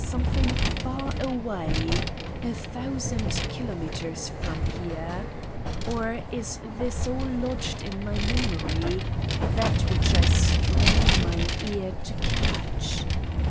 Something far away, a thousand kilometers from here. Or is this all lodged in my memory that which I strain my ear to catch?